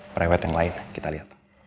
private yang lain kita liat